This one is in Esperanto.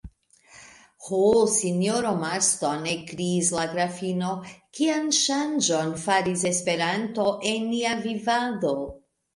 Ho, sinjoro Marston, ekkriis la grafino, kian ŝanĝon faris Esperanto en nia vivado!